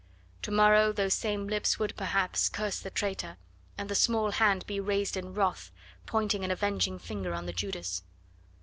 To morrow those same lips would, perhaps, curse the traitor, and the small hand be raised in wrath, pointing an avenging finger on the Judas.